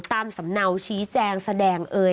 สำเนาชี้แจงแสดงเอ่ย